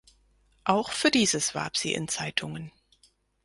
Auch für dieses warb sie in Zeitungen.